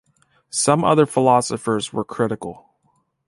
Some other philosophers were critical.